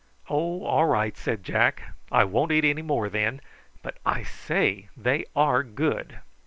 "Oh, all right!" said Jack. "I won't eat any more, then. But, I say, they are good!"